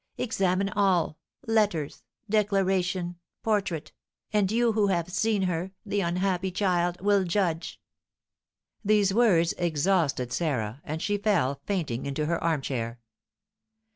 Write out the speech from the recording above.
Examine all, letters, declaration, portrait, and you who have seen her, the unhappy child, will judge " These words exhausted Sarah, and she fell fainting into her armchair.